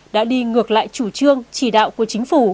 đã đi ngược lại chủ trương chỉ đạo của chính phủ